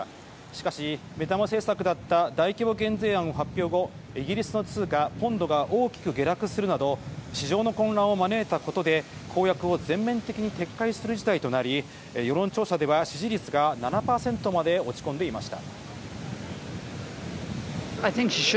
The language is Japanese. しかし、目玉政策だった大規模減税案発表後イギリスの通貨、ポンドが大きく下落するなど市場の混乱を招いたことで公約を全面的に撤回する事態となり世論調査では支持率が７％まで落ち込んでいました。